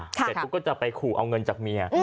เสร็จปุ๊บก็จะไปขู่เอาเงินจากเมีย